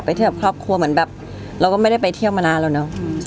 เทียบกับครอบครัวเหมือนแบบเราก็ไม่ได้ไปเที่ยวมานานแล้วเนอะ